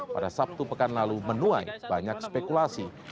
pada sabtu pekan lalu menuai banyak spekulasi